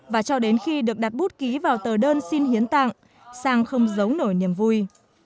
và cho đến khi được đặt bút ký vào tờ đơn xin hiến tặng sang không giấu nổi niềm vui